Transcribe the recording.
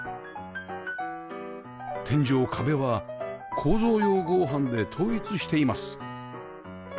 天井壁は構造用合板で統一しています